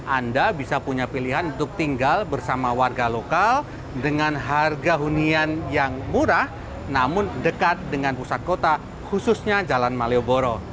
anda bisa punya pilihan untuk tinggal bersama warga lokal dengan harga hunian yang murah namun dekat dengan pusat kota khususnya jalan malioboro